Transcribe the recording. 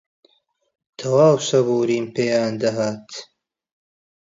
تەواو سەبووریم پێیان دەهات